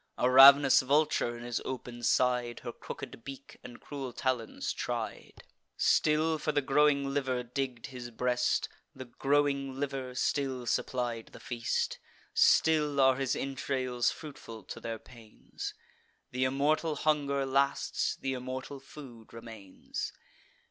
A rav'nous vulture, in his open'd side, Her crooked beak and cruel talons tried; Still for the growing liver digg'd his breast; The growing liver still supplied the feast; Still are his entrails fruitful to their pains: Th' immortal hunger lasts, th' immortal food remains.